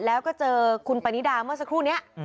แล้วก็เจอคุณปานิดาเมื่อสักครู่นี้